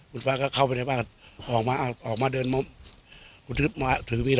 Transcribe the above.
ขุนฟ้าก็เข้าไปในขุนฟ้าออกมาเดินมุม